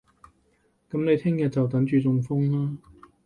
噉你聽日就等住中風啦